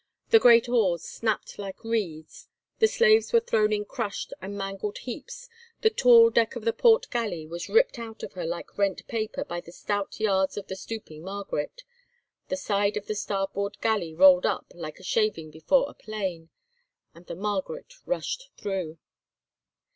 The great oars snapped like reeds, the slaves were thrown in crushed and mangled heaps, the tall deck of the port galley was ripped out of her like rent paper by the stout yards of the stooping Margaret, the side of the starboard galley rolled up like a shaving before a plane, and the Margaret rushed through.